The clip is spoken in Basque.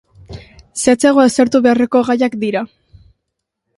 Zehatzago aztertu beharreko gaiak dira.